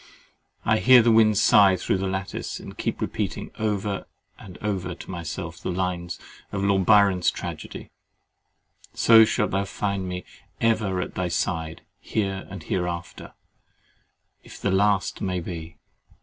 I hear the wind sigh through the lattice, and keep repeating over and over to myself two lines of Lord Byron's Tragedy— "So shalt thou find me ever at thy side Here and hereafter, if the last may be."